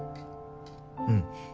うん。